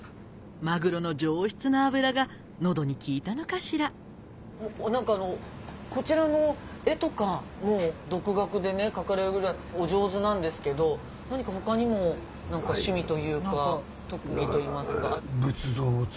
マグロの上質な脂がのどに効いたのかしら何かこちらの絵とかも独学で描かれるぐらいお上手なんですけど何か他にも趣味というか特技といいますか。